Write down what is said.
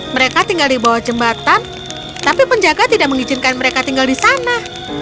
mereka tinggal di bawah jembatan tapi penjaga tidak mengizinkan mereka tinggal di sana